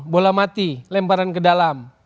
bola mati lemparan ke dalam